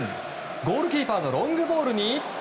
ゴールキーパーのロングボールに。